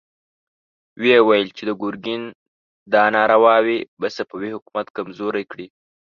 ويې ويل چې د ګرګين دا نارواوې به صفوي حکومت کمزوری کړي.